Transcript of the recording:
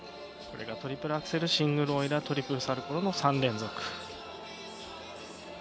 これがトリプルアクセルシングルオイラートリプルサルコウの３連続。